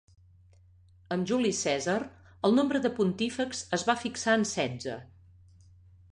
Amb Juli Cèsar, el nombre de pontífex es va fixar en setze.